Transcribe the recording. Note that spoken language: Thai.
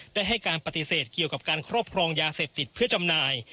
ได้ให้การปฏิเสธเกี่ยวกับการครอบครองยาเสพติดเพื่อจำหน่าย